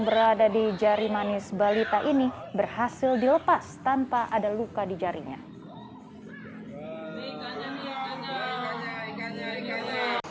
berada di jari manis balita ini berhasil dilepas tanpa ada luka di jarinya